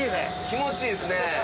気持ちいいですね。